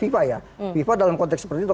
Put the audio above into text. viva ya viva dalam konteks seperti itu